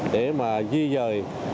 để mà di dời